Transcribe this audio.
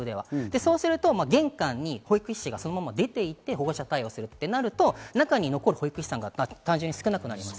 そうすると、玄関に保育士がそのまま出ていって、保護者対応をするとなると、中に怒る保育士が少なくなります。